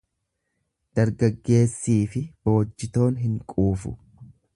Dargaggeessiifi boojjitoon hin quufu.